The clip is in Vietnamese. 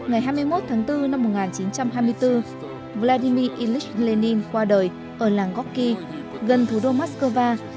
ngày hai mươi một tháng bốn năm một nghìn chín trăm hai mươi bốn vladimir ilyich lenin qua đời ở làng goky gần thủ đô moscow